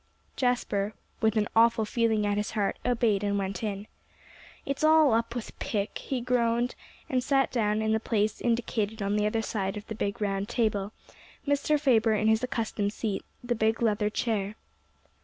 Jasper, with an awful feeling at his heart, obeyed and went in. "It's all up with Pick," he groaned, and sat down in the place indicated on the other side of the big round table, Mr. Faber in his accustomed seat, the big leather chair.